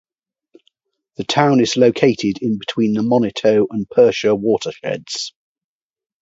The town is located in between the Moniteau and Perche watersheds.